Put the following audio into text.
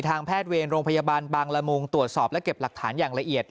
แพทย์เวรโรงพยาบาลบางละมุงตรวจสอบและเก็บหลักฐานอย่างละเอียด